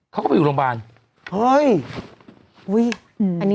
เขาก็ไปอยู่โรงพยาบาลเฮ้ย